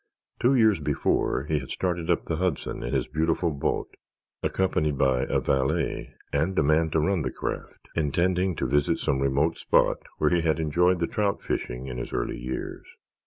Two years before he had started up the Hudson in his beautiful boat, accompanied by a valet and a man to run the craft, intending to visit some remote spot where he had enjoyed the trout fishing in his early years.